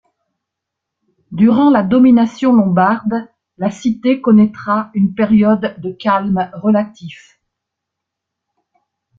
Durant la domination lombarde, la cité connaîtra une période de calme relatif.